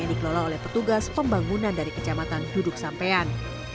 yang dikelola oleh petugas pembangunan dari kecamatan duduk sampean